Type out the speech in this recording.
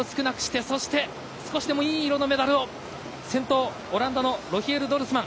少しでもいい色のメダルを先頭オランダのロヒエル・ドルスマン。